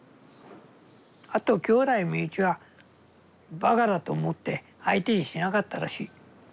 あときょうだい身内はバカだと思って相手にしなかったらしい。